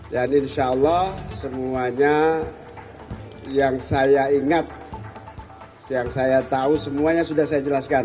dan insya allah semuanya yang saya ingat yang saya tahu semuanya sudah saya jelaskan